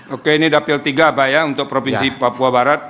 oke ini dapil tiga pak ya untuk provinsi papua barat